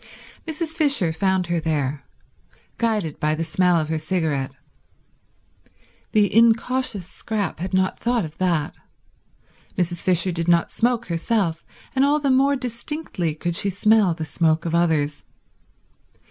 Mrs. Fisher found her there, guided by the smell of her cigarette. The incautious Scrap had not thought of that. Mrs. Fisher did not smoke herself, and all the more distinctly could she smell the smoke of others.